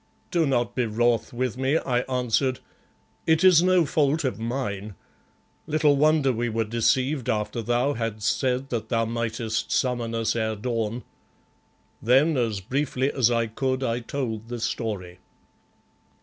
"Do not be wrath with me," I answered, "it is no fault of mine. Little wonder we were deceived after thou hadst said that thou mightest summon us ere dawn." Then as briefly as I could I told the story.